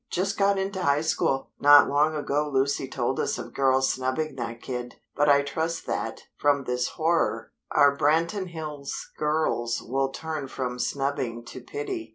Just got into High School! Not long ago Lucy told us of girls snubbing that kid; but I trust that, from this horror, our Branton Hills girls will turn from snubbing to pity.